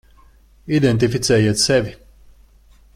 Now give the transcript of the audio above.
Identificējiet sevi.